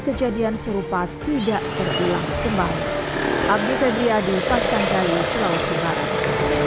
kemudian serupa tidak terbilang kembali abdi pedia di pasangkayu sulawesi barat